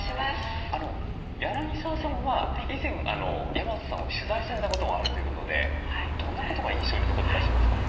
柳澤さんは以前山津さんを取材されたことがあるということでどんなことが印象に残ってらっしゃいますか？